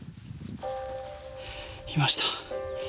いました。